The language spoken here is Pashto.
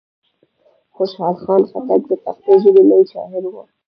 خوشحال خان خټک د پښتو ژبي لوی شاعر وو.